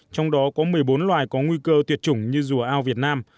trong đó có một mươi bốn loài có nguy cơ tuyệt chủng như rùa ao việt nam